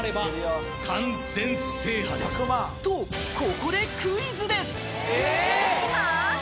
７番とここでクイズですええ